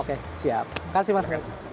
oke siap makasih mas